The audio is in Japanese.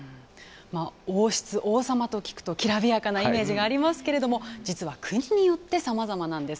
王室、王様と聞くときらびやかなイメージがありますけれども実は国によってさまざまです。